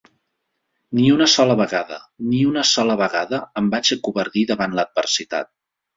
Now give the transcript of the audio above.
Ni una sola vegada, ni una sola vegada, em vaig acovardir davant l'adversitat.